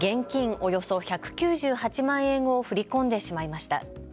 およそ１９８万円を振り込んでしまいました。